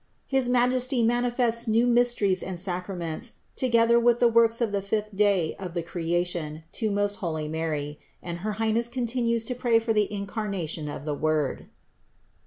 HIS MAJESTY MANIFESTS NEW MYSTERIES AND SACRA MENTS TOGETHER WITH THE WORKS OF THE FIFTH DAY OF THE CREATION TO MOST HOLY MARY, AND HER HIGHNESS CONTINUES TO PRAY FOR THE INCAR NATION OF THE WORD.